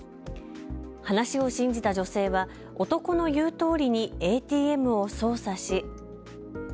話を信じた女性は男の言うとおりにＡＴＭを操作し。